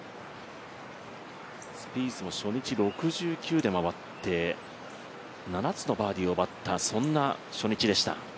スピースも初日６９で回って、７つのバーディーを奪ったそんな初日でした。